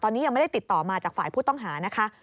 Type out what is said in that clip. ตอนนี้ยังไม่ได้ติดต่อมาจากฝ่ายผู้ต้องหานะคะ